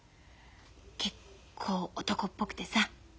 結構男っぽくてさ